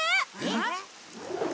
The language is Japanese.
えっ？